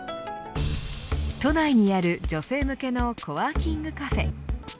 都内にある女性向けのコワーキングカフェ。